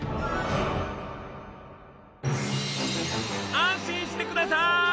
安心してくださーい！